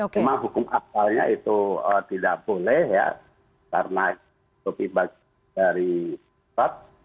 cuma hukum asalnya itu tidak boleh ya karena itu dibagi dari pap